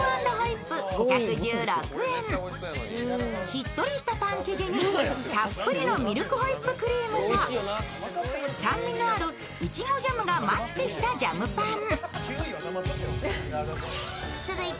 しっとりしたパン生地にたっぷりのミルクホイップクリームと酸味のあるいちごジャムがマッチしたジャムパン。